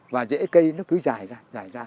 và rễ cây nó cứ dài ra dài ra